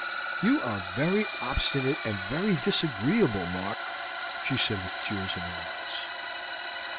"You are very obstinate and very disagreeable, Mark," she said, with tears in her eyes.